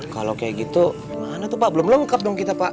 kalau kayak gitu mana tuh pak belum lengkap dong kita pak